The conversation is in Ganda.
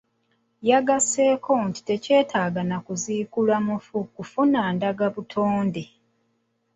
Yagasseeko nti tekyetaaga na kuziikula mufu okufuna ndagabutonde.